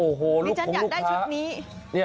โอ้โหลูกค้าอุ้ยเดี๋ยวฉันอยากได้ชุดนี้